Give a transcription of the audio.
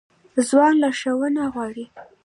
ځوان لارښوونه غواړي